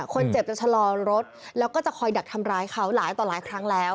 คนเจ็บจะชะลอรถแล้วก็จะคอยดักทำร้ายเขาหลายต่อหลายครั้งแล้ว